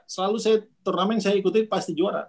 selalu saya turnamen saya ikuti pasti juara